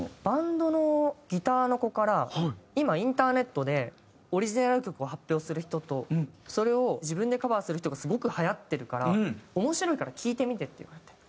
バンドのギターの子から「今インターネットでオリジナル曲を発表する人とそれを自分でカバーする人がすごくはやってるから面白いから聴いてみて」って言われて。